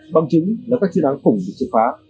bằng chứng là các chuyên án khủng được xếp phá